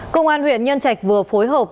công an huyện nhân trạch vừa phối hợp